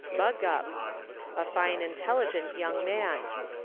Buckup (Bug gup). A fine intelligent young man.